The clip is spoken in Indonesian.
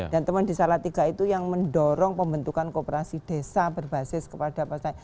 dan teman di salatiga itu yang mendorong pembentukan kooperasi desa berbasis kepada pak sayang